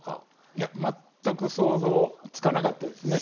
いや全く想像つかなかったですね。